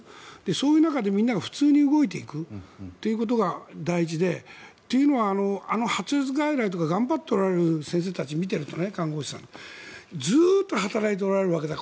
そういう中でみんなが普通に動いていくということが大事でというのは、発熱外来とか頑張っておられる先生たちや看護師さんを見ているとずっと働いておられるわけで。